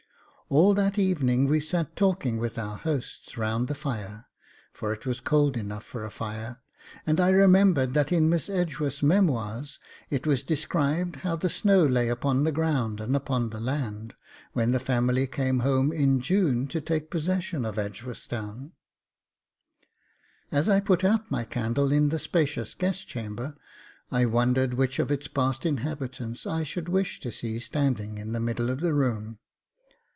All that evening we sat talking with our hosts round the fire (for it was cold enough for a fire), and I remembered that in Miss Edgeworth's MEMOIRS it was described how the snow lay upon the ground and upon the land, when the family came home in June to take possession of Edgeworthstown. As I put out my candle in the spacious guest chamber I wondered which of its past inhabitants I should wish to see standing in the middle of the room.